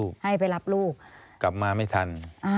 กลับมาไม่ทัน